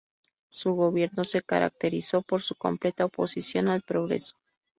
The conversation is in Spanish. Su gobierno se caracterizó por su completa oposición al progreso.